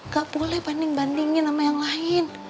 gak boleh banding bandingin sama yang lain